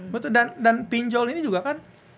betul dan pinjol ini juga kan